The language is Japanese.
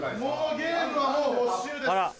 ゲームはもう没収です！